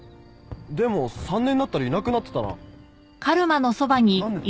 でも３年になったらいなくなってたななんでだ？